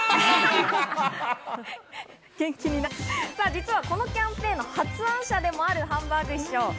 実は、このキャンペーンの発案者でもあるハンバーグ師匠。